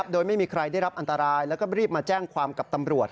โดยไม่มีใครได้รับอันตรายแล้วก็รีบมาแจ้งความกับตำรวจ